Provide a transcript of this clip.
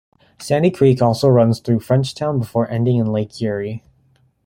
Sandy Creek also runs through Frenchtown before ending in Lake Erie.